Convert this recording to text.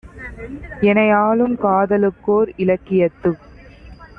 எனைஆளும் காதலுக்கோர் இலக்கியத்துக்